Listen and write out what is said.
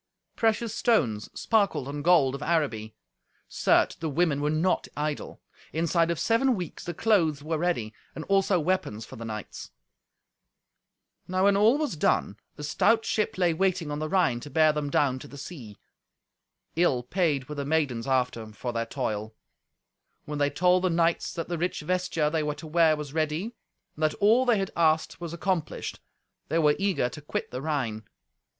Precious stones sparkled on gold of Araby. Certes, the women were not idle. Inside of seven weeks the clothes were ready, and also weapons for the knights. Now when all was done, a stout ship lay waiting on the Rhine to bear them down to the sea. Ill paid were the maidens, after, for their toil. When they told the knights that the rich vesture they were to wear was ready, and that all they had asked was accomplished, they were eager to quit the Rhine.